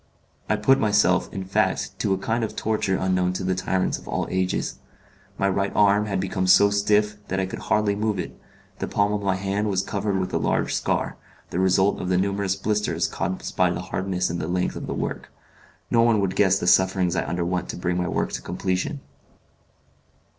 I put myself, in fact, to a kind of torture unknown to the tyrants of all ages. My right arm had become so stiff that I could hardly move it; the palm of my hand was covered with a large scar, the result of the numerous blisters caused by the hardness and the length of the work. No one would guess the sufferings I underwent to bring my work to completion.